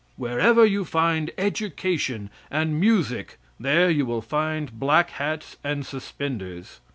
Wherever you find education and music there you will find black hats and suspenders."